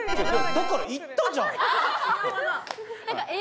だから言ったじゃん。